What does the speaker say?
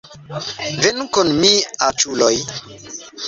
Venu kun mi, aĉuloj